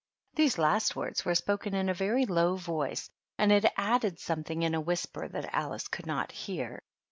These last words were spoken in a very low voice, and it added something in a whisper that Alice could not hear.